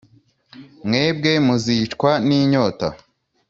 Mwebwe muzicwa n ‘inyota .